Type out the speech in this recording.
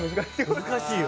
難しいよ